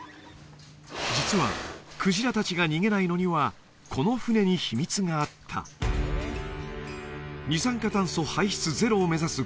実はクジラ達が逃げないのにはこの船に秘密があった二酸化炭素排出ゼロを目指す